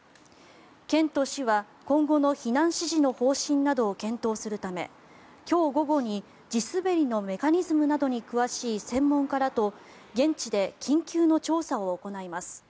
県と市は今後の避難指示の方針などを検討するため今日午後に地滑りのメカニズムなどに詳しい専門家らと現地で緊急の調査を行います。